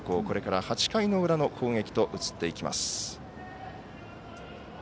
これから８回の裏の攻撃と移っていきます。